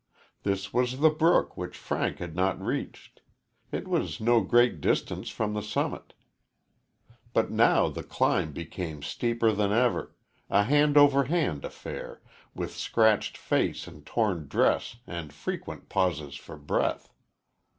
This was the brook which Frank had not reached. It was no great distance from the summit. But now the climb became steeper than ever a hand over hand affair, with scratched face and torn dress and frequent pauses for breath.